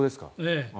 ええ。